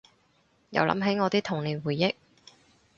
又諗起我啲童年回憶